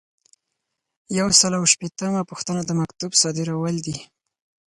یو سل او شپیتمه پوښتنه د مکتوب صادرول دي.